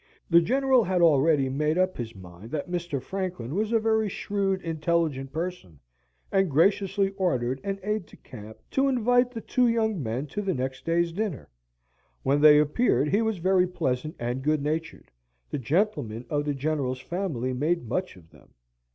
The General had already made up his mind that Mr. Franklin was a very shrewd, intelligent person, and graciously ordered an aide de camp to invite the two young men to the next day's dinner. When they appeared he was very pleasant and good natured; the gentlemen of the General's family made much of them.